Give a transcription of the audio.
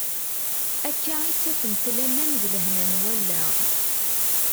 Akka i ttafent laman d lehna n wallaɣ.